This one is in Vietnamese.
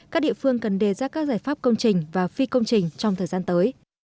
các địa phương cần đề ra các giải pháp công trình và phi công trình trong thời gian tới